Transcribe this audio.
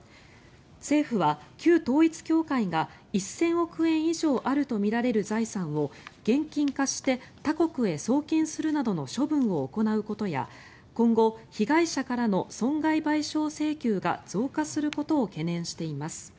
政府は、旧統一教会が１０００億円以上あるとみられる財産を現金化して他国へ送金するなどの処分を行うことや今後、被害者からの損害賠償請求が増加することを懸念しています。